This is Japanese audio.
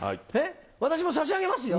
私も差し上げますよ。